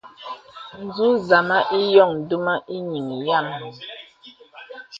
Zō zàmā ìyōŋ duma īŋìŋ yàm.